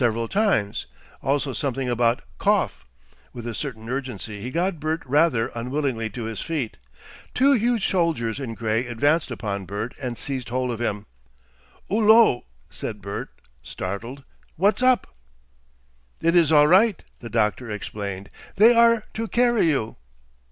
several times, also something about "Kopf." With a certain urgency he got Bert rather unwillingly to his feet. Two huge soldiers in grey advanced upon Bert and seized hold of him. "'Ullo!" said Bert, startled. "What's up?" "It is all right," the doctor explained; "they are to carry you."